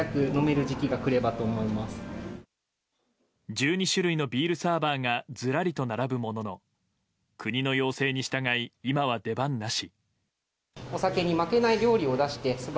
１２種類のビールサーバーがずらりと並ぶものの国の要請に従い、今は出番なし。